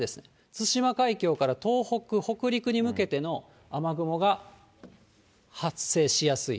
対馬海峡から東北、北陸に向けての雨雲が発生しやすい。